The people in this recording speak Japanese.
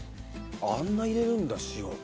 あんな入れるんだ塩。